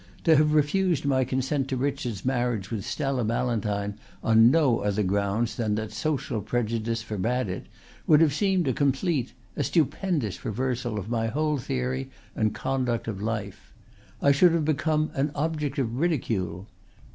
To have refused my consent to Richard's marriage with Stella Ballantyne on no other grounds than that social prejudice forbade it would have seemed a complete, a stupendous reversal of my whole theory and conduct of life. I should have become an object of ridicule.